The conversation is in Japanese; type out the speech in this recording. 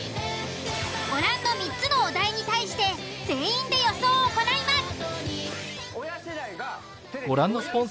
ご覧の３つのお題に対して全員で予想を行います。